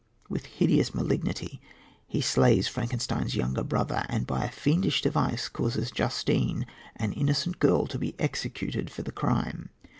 With hideous malignity he slays Frankenstein's young brother, and by a fiendish device causes Justine, an innocent girl, to be executed for the crime.